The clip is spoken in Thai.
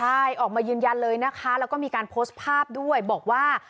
ใช่ออกมายืนยันเลยนะคะแล้วก็มีการโพสต์ภาพด้วยบอกว่า